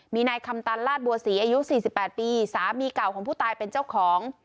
มีนายคำตันลาดบัวศรีอายุ๔๘ปีสามีเก่าของผู้ตายเป็นเจ้าของ